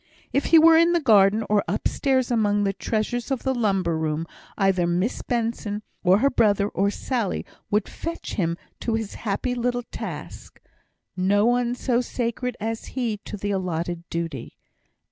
If he were in the garden, or upstairs among the treasures of the lumber room, either Miss Benson, or her brother, or Sally, would fetch him to his happy little task; no one so sacred as he to the allotted duty.